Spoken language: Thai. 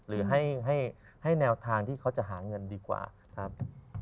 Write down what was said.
หรือให้แนวทางที่เขาจะหาเงินดีกว่าครับ